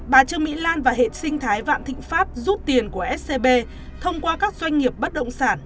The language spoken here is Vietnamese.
bà trương mỹ lan và hệ sinh thái vạn thị phát giúp tiền của scb thông qua các doanh nghiệp bất động sản